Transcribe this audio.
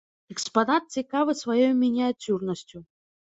Экспанат цікавы сваёй мініяцюрнасцю.